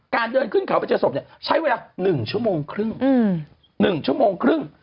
การเดินขึ้นเขาไปเจอศพเนี่ยใช้เวลา๑ชั่วโมงครึ่ง